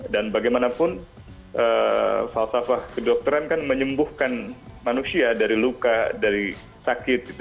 dan bagaimanapun falsafah kedokteran kan menyembuhkan manusia dari luka dari sakit